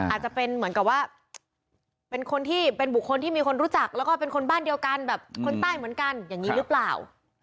อาจจะเป็นเหมือนกับว่าเป็นคนที่เป็นบุคคลที่มีคนรู้จักแล้วก็เป็นคนบ้านเดียวกันแบบคนใต้เหมือนกันอย่างนี้หรือเปล่า